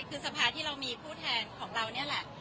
คือสภาที่เรามีผู้แทนของเรานี่แหละ